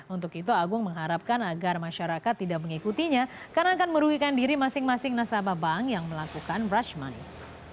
untuk itu agung mengharapkan agar masyarakat tidak mengikutinya karena akan merugikan diri masing masing nasabah bank yang melakukan rush money